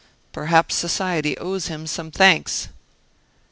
Perhaps society owes him some thanks."